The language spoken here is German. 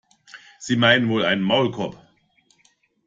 Sie meinen wohl einen Maulkorb?